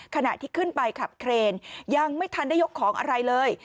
ขณะที่ขึ้นไปขับเครนยังไม่ทันได้ยกของอะไรเลย